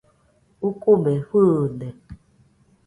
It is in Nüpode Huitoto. Ukube fɨɨde.